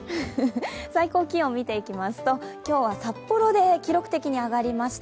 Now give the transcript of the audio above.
最高気温見ていきますと今日は札幌で記録的に上がりました。